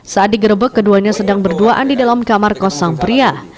saat digerebek keduanya sedang berduaan di dalam kamar kos sang pria